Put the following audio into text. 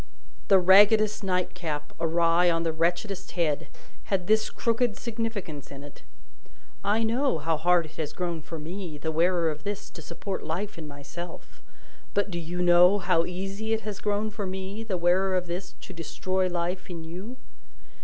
The raggedest nightcap, awry on the wretchedest head, had this crooked significance in it: "I know how hard it has grown for me, the wearer of this, to support life in myself; but do you know how easy it has grown for me, the wearer of this, to destroy life in you?"